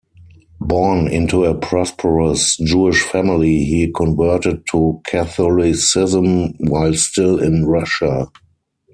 Born into a prosperous Jewish family, he converted to Catholicism while still in Russia.